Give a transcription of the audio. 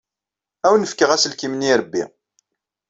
Ad awen-fkeɣ aselkim n yirebbi.